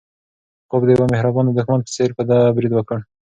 خوب د یو مهربانه دښمن په څېر په ده برید وکړ.